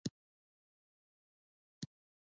د خولې د زیاتوالي لپاره کوم حمام وکړم؟